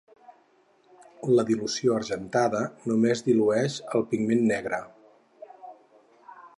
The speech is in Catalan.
La dilució argentada només dilueix el pigment negre.